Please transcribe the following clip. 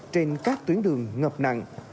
trên các tuyến đường ngập nặng